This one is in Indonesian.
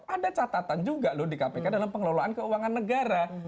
ada catatan juga loh di kpk dalam pengelolaan keuangan negara